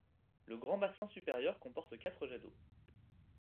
Le grand bassin supérieur comporte quatre jets d'eau.